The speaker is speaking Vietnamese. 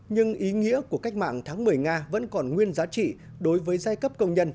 nhưng ý nghĩa của cách mạng tháng một mươi nga vẫn còn nguyên giá trị đối với giai cấp công nhân